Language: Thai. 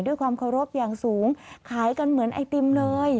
ด้วยความเคารพอย่างสูงขายกันเหมือนไอติมเลย